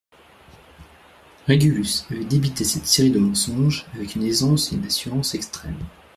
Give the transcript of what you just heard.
Régulus avait débité cette série de mensonges avec une aisance et une assurance extrêmes.